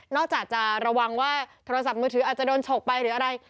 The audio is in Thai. จากจะระวังว่าโทรศัพท์มือถืออาจจะโดนฉกไปหรืออะไร